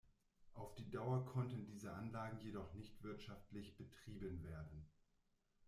Auf die Dauer konnten diese Anlagen jedoch nicht wirtschaftlich betrieben werden.